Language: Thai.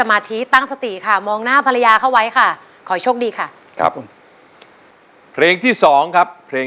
มาครับ